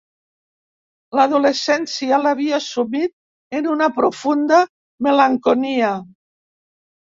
L'adolescència l'havia sumit en una profunda malenconia.